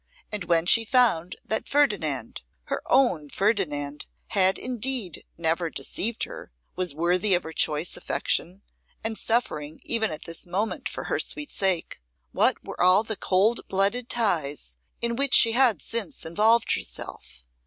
And when she found that Ferdinand, her own Ferdinand, had indeed never deceived her, was worthy of her choice affection, and suffering even at this moment for her sweet sake, what were all the cold blooded ties in which she had since involved herself?